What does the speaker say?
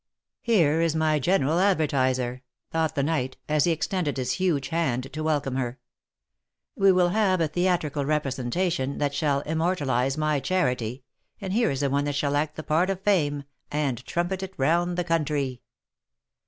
" Here is my general advertiser," thought the knight, as he ex tended his huge hand to welcome her. " We will have a theatrical representation that shall immortalize my charity, and here's the one that shall act the part of Fame, and trumpet it round the country."